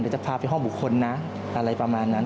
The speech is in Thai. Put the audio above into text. จะพาไปห้องบุคคลนะอะไรประมาณนั้น